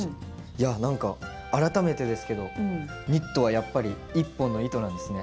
いや何か改めてですけどニットはやっぱり１本の糸なんですね。